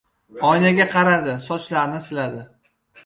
Oynaga qaradi, sochlarini siladi.